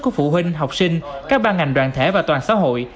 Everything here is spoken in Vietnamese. của phụ huynh học sinh các ban ngành đoàn thể và toàn xã hội